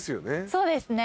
そうですね。